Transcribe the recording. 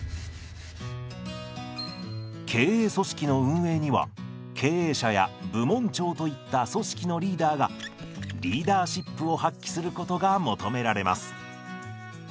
経営組織の運営には経営者や部門長といった組織のリーダーがリーダーシップを発揮することが求められます。